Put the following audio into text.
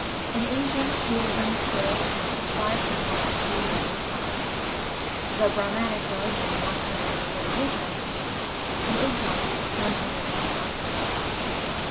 In Asia Buddhism still counts five hundred and three million followers, the Brah manic religion one hundred and thirty eight millions, and Islam one hundred and twenty millions.